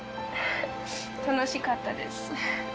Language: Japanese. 楽しかったです。